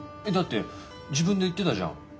えっだって自分で言ってたじゃん。